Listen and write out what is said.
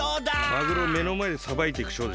マグロをめのまえでさばいていくショーでしょ？